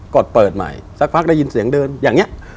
ดเปิดใหม่สักพักได้ยินเสียงเดินอย่างนี้